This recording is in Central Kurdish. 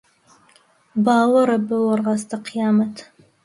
باوەڕە بەوە ڕاستە قیامەت